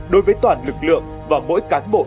đối với toàn lực lượng và mỗi cán bộ